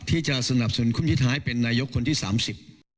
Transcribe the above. ที่จะสนับสุนคุณที่ท้ายเป็นนายกคนที่๓๐